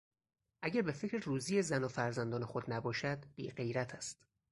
اگر به فکر روزی زن و فرزندان خود نباشد بیغیرت است.